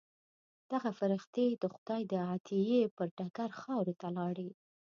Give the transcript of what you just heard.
دغه فرښتې د خدای د عطیې پر ډګر خاورو ته لاړې.